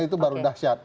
itu baru dahsyat